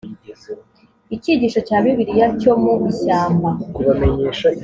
icyigisho cya bibiliya cyo mu ishyamba